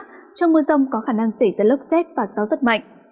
trong mưa rông có khả năng xảy ra lốc xét và gió rất mạnh